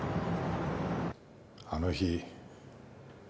あの日。